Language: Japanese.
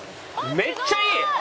めっちゃいい！